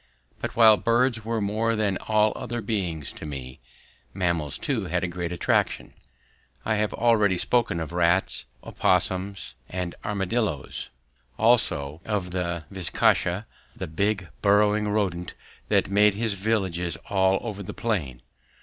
But while birds were more than all other beings to me, mammals too had a great attraction. I have already spoken of rats, opossums, and armadillos; also of the vizcacha, the big burrowing rodent that made his villages all over the plain.